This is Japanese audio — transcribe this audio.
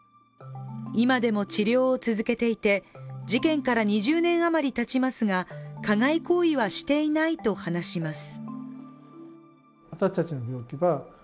今でも治療を続けていて事件から２０年余りたちますが加害行為はしていないと話します。